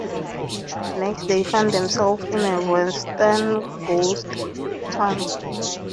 Next they find themselves in a western ghost town.